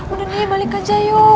udah nih balik aja yuk